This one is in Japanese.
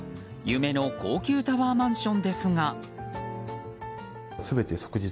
夢の高級タワーマンションですが。